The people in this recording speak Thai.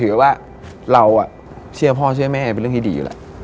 ถือว่าเราเชื่อพ่อเชื่อแม่เป็นเรื่องที่ดี